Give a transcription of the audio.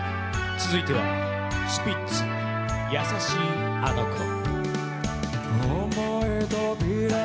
続いては、スピッツで「優しいあの子」。